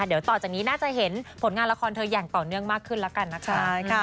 เดี๋ยวต่อจากนี้น่าจะเห็นผลงานละครเธออย่างต่อเนื่องมากขึ้นแล้วกันนะคะ